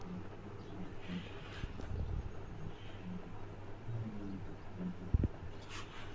It can also be ground up and used in salads.